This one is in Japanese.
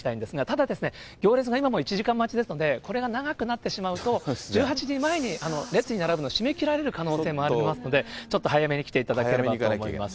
ただですね、行列が今も１時間待ちですので、これが長くなってしまうと、１８時前に列に並ぶのを締め切られる可能性もありますので、ちょっと早めに来ていただければと思います。